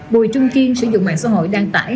bùi trung kiên sử dụng mạng xã hội đăng tải